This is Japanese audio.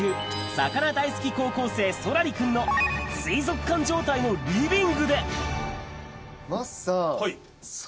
魚大好き高校生空璃君の水族館状態のリビングで桝さん空